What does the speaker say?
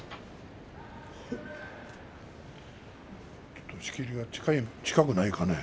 ちょっと仕切りが近くないかね。